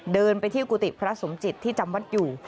เดินไปที่กุฏิพระสมจิตที่จำวัดอยู่